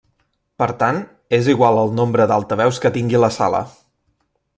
Per tant, és igual el nombre d'altaveus que tingui la sala.